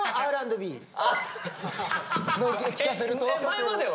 前までは？